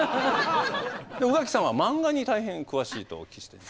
宇垣さんは漫画に大変詳しいとお聞きしています。